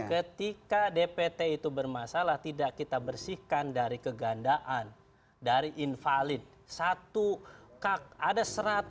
ketika dpt itu bermasalah tidak kita bersihkan dari kegandaan dari invalid satu kak ada seratus